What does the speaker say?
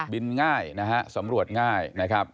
ง่ายนะฮะสำรวจง่ายนะครับ